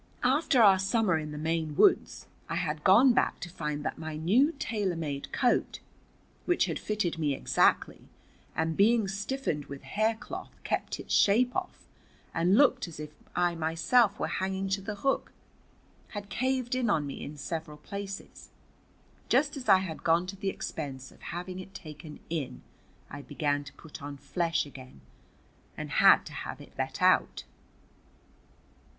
After our summer in the Maine woods I had gone back to find that my new tailor made coat, which had fitted me exactly, and being stiffened with haircloth kept its shape off and looked as if I myself were hanging to the hook, had caved in on me in several places. Just as I had gone to the expense of having it taken in I began to put on flesh again, and had to have it let out.